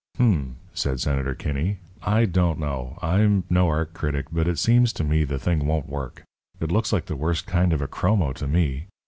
"H'm!" said Senator Kinney, "I don't know. I'm no art critic, but it seems to me the thing won't work. It looks like the worst kind of a chromo to me.